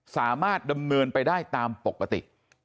สามารถดำเนินไปได้ตามปกติ